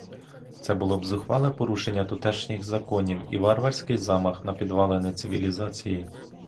Це було б зухвале порушення тутешніх законів і варварський замах на підвалини цивілізації.